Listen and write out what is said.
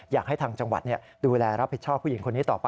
อยากให้ทางจังหวัดดูแลรับผิดชอบผู้หญิงคนนี้ต่อไป